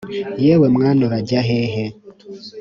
yewe mwana urajya hehe